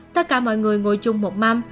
tất cả mọi người ngồi chung một mâm